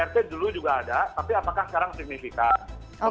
artinya kdrt dulu juga ada tapi apakah sekarang signifikan